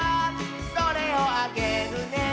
「それをあげるね」